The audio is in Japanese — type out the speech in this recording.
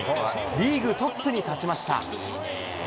リーグトップに立ちました。